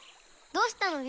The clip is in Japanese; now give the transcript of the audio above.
どうしたの？